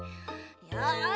よし！